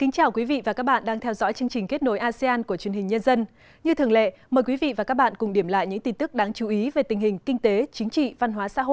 các bạn hãy đăng ký kênh để ủng hộ kênh của chúng mình nhé